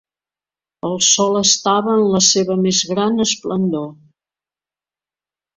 El sol estava en la seva més gran esplendor.